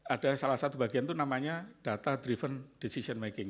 ada salah satu bagian itu namanya data driven decision making